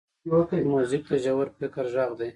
موزیک د ژور فکر غږ دی.